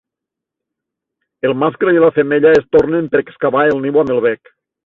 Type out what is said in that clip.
El mascle i la femella es tornen per excavar el niu amb el bec.